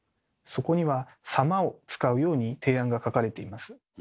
そこには「様」を使うように提案が書かれています。